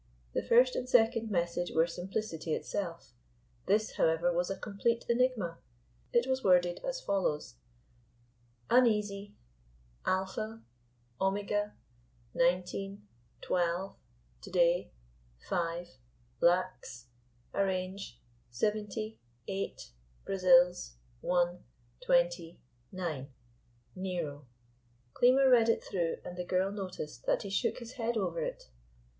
The first and second message were simplicity itself; this, however, was a complete enigma. It was worded as follows: Uneasy Alpha Omega Nineteen Twelve today five lacs arrange seventy eight Brazils one twenty nine. NERO. Klimo read it through, and the girl noticed that he shook his head over it.